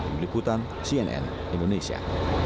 meliputan cnn indonesia